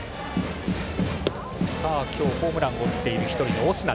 今日ホームランを打っている１人のオスナ。